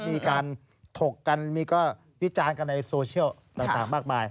มีการถกกันมีก็วิจารณ์กันในโซเชียลต่างมากมาย